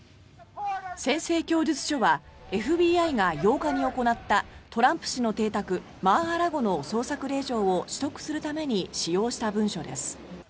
宣誓供述書はＦＢＩが８日に行ったトランプ氏の邸宅マー・ア・ラゴの捜索令状を取得するために使用した文書です。